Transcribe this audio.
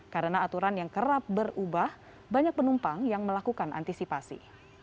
karena aturan yang kerap berubah banyak penumpang yang melakukan antisipasi